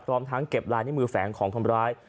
พร้อมทั้งเก็บลายนิ้วมือแฝงของคนร้าย